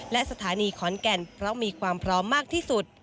และสถานีขอนแก่นเพราะมีความพร้อมมากที่สุด